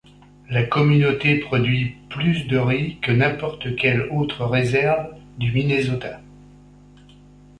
La communauté produit plus de riz que n'importe quelle autre réserve du Minnesota.